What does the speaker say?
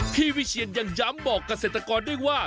วิเชียนยังย้ำบอกเกษตรกรด้วยว่า